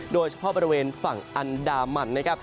โดยเฉพาะบริเวณฝั่งอันดามันนะครับ